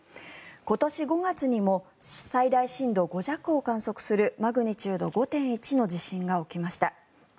今年５月にも最大震度５弱を観測するマグニチュード５．１の地震が起きました。